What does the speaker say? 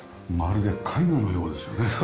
まるで絵画のようですよね。